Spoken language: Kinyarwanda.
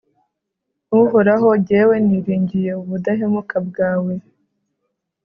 uhoraho, jyewe niringiye ubudahemuka bwawe